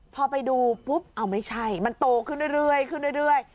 พอไปดูปุ๊บเอาไม่ใช่มันโตขึ้นเรื่อย